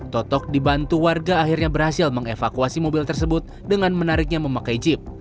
totok dibantu warga akhirnya berhasil mengevakuasi mobil tersebut dengan menariknya memakai jeep